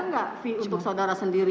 enggak fee untuk saudara sendiri